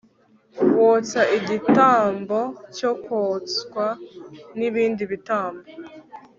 wotsa igitambo cyo koswa n'ibindi bitambo